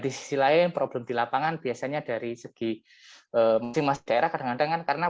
di sisi lain problem di lapangan biasanya dari segi masing masing daerah